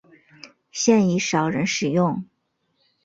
现已少人使用。